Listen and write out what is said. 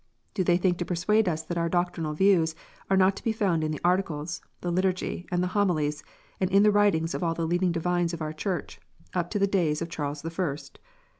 Do they think to persuade us that our doctrinal views are not to be found in the Articles, the Liturgy, and the Homilies, and in the writings of all the leading divines of our Church, up to the days of Charles the First 1